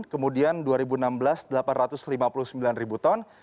kemudian dua ribu enam belas delapan ratus lima puluh sembilan ribu ton